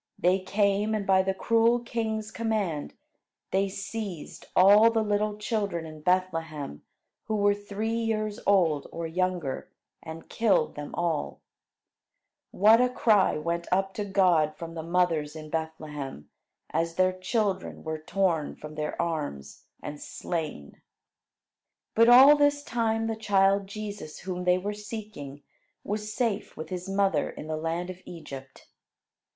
They came, and by the cruel king's command they seized all the little children in Bethlehem who were three years old, or younger, and killed them all. What a cry went up to God from the mothers in Bethlehem, as their children were torn from their arms and slain! [Illustration: He took his wife and baby and went down to Egypt] But all this time, the child Jesus whom they were seeking was safe with his mother in the land of Egypt.